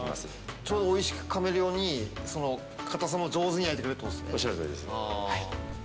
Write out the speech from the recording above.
ちょうどおいしくかめるように硬さも上手に焼いてくれるということですね。